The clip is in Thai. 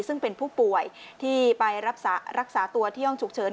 ซึ่งเป็นผู้ป่วยที่ไปรักษาตัวที่ห้องฉุกเฉิน